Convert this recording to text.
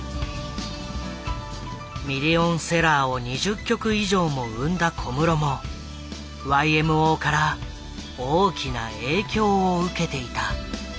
ミリオンセラーを２０曲以上も生んだ小室もＹＭＯから大きな影響を受けていた。